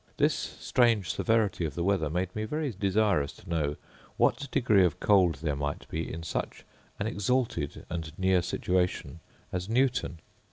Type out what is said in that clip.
This strange severity of the weather made me very desirous to know what degree of cold there might be in such an exalted and near situation as Newton.